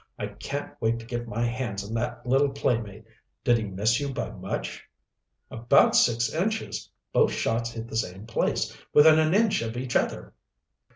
"I can't wait to get my hands on that little playmate. Did he miss you by much?" "About six inches. Both shots hit the same place, within an inch of each other."